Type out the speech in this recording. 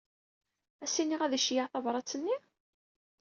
Ad as-iniɣ ad iceyyeɛ tabṛat-nni?